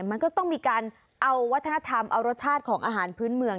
มันก็ต้องมีการเอาวัฒนธรรมเอารสชาติของอาหารพื้นเมือง